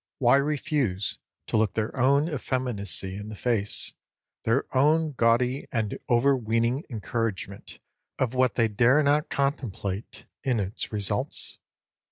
Why refuse to look their own effeminacy in the face, their own gaudy and overweening encouragement of what they dare not contemplate in its results?